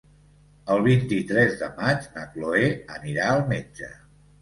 El vint-i-tres de maig na Cloè anirà al metge.